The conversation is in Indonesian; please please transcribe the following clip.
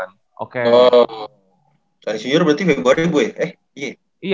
oh chinese new year berarti februari bu ya eh iya ya